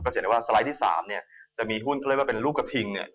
สไลด์ที่๓จะมีหุ้นเขาเรียกว่าเป็นรูปกระทิง